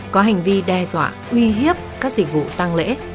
có hành vi đe dọa uy hiếp các dịch vụ tăng lễ